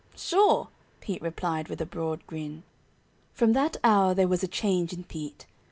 "Sure!" Pete replied with a broad grin. From that hour there was a change in Pete.